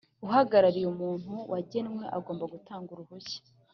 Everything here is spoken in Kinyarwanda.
uhagarariye umuntu wagenwe agomba gutanga uruhushya